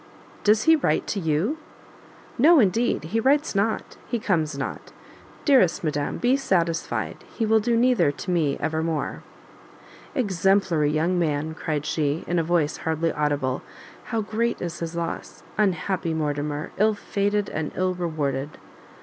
"Does he write to you?" "No, indeed! he writes not he comes not dearest madam be satisfied, he will do neither to me ever more!" "Exemplary young man!" cried she, in a voice hardly audible, "how great is his loss! unhappy Mortimer! ill fated, and ill rewarded!"